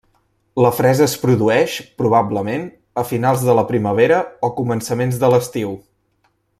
La fresa es produeix, probablement, a finals de la primavera o començaments de l'estiu.